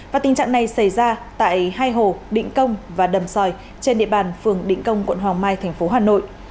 và tình trạng này xảy ra tại hai hồ định công và đầm sòi trên địa bàn phường định công quận hoàng mai thành phố hà nội